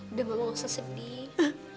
udah mama nggak usah sedih